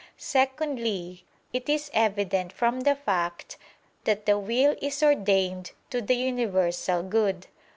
Secondly, it is evident from the fact that the will is ordained to the universal good.